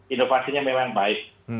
inovasinya memang baik